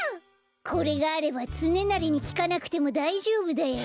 これがあればつねなりにきかなくてもだいじょうぶだよ。